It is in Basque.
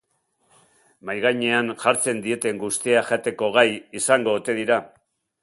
Mahai gainean jartzen dieten guztia jateko gai izango ote dira?